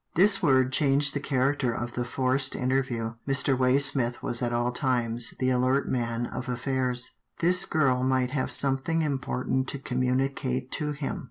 This word changed the character of the forced interview. Mr. Waysmith was at all times the alert man of affairs. This girl might have some thing important to communicate to him.